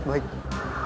lo salah jadi kakak